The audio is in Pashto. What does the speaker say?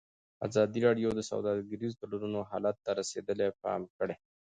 ازادي راډیو د سوداګریز تړونونه حالت ته رسېدلي پام کړی.